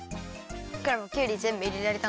クラムもきゅうりぜんぶいれられたの？